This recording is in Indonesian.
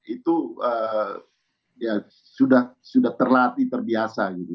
itu ya sudah terlatih terbiasa gitu